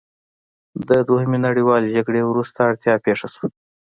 د دویمې نړیوالې جګړې وروسته اړتیا پیښه شوه.